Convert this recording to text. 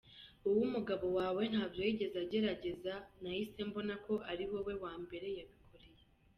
Wowe umugabo wawe ntabyo yigeze agerageza nahise mbona ko ari wowe wa mbere yabikoreye.